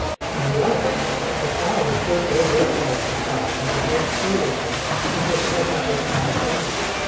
In reality the child at first overestimates his powers and behaves fearlessly because he does not recognize dangers.